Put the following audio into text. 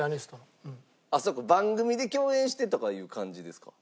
そうか番組で共演してとかいう感じですか？